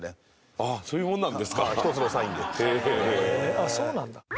あっそうなんだ。